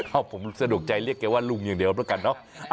ผมสะดวกใจเรียกแกว่าลุงอย่างเดียวแล้วกันเนอะ